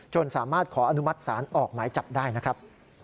สามารถขออนุมัติศาลออกหมายจับได้นะครับ